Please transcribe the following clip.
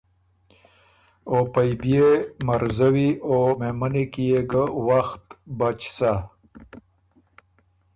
او پئ بيې مرزوی او مهمنی کی يې ګۀ وخت بچ سَۀ۔